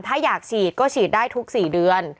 ถ้าอยากฉีดก็ฉีดได้ทุก๔เดือน